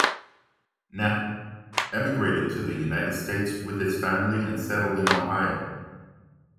Knappe emigrated to the United States with his family and settled in Ohio.